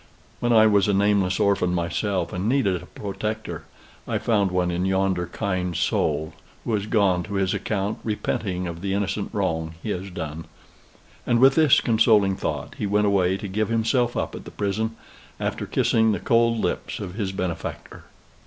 When I was a nameless orphan myself, and needed a protector, I found one in yonder kind soul, who has gone to his account repenting of the innocent wrong he has done." And with this consoling thought he went away to give himself up at the prison, after kissing the cold lips of his benefactor.